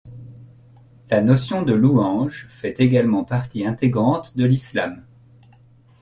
La notion de louange fait également partie intégrante de l'islam.